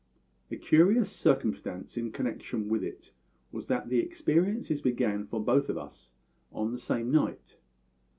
A curious circumstance in connection with it was that the experiences began for both of us on the same night.